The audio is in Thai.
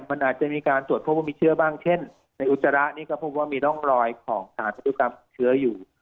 มันอาจจะมีการตรวจพบว่ามีเชื้อบ้างเช่นในอุจจาระนี่ก็พบว่ามีร่องรอยของฐานพันธุกรรมเชื้ออยู่